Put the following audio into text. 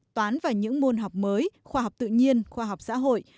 toán và những môn học mới khoa học tự nhiên khoa học xã hội